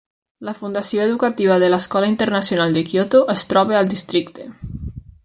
La Fundació Educativa de l'Escola Internacional de Kyoto es troba al districte.